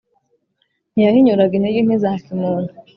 ntiyahinyuraga intege nke za kimuntu